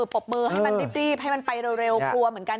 ปบมือให้มันรีบไปเร็วครัวเหมือนกัน